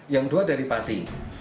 yang dua dari pati